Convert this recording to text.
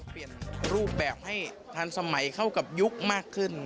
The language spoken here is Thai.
เปลี่ยนรูปแบบให้ทันสมัยเข้ากับยุคมากขึ้น